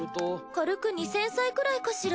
軽く２，０００歳くらいかしら？